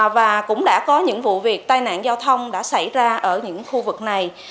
và cũng đã có những vụ việc tai nạn giao thông đã xảy ra ở những khu vực này